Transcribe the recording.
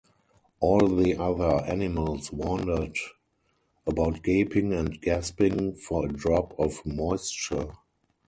All the other animals wandered about gaping and gasping for a drop of moisture.